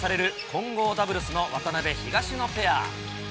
混合ダブルスの渡辺・東野ペア。